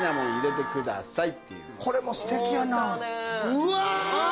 うわ！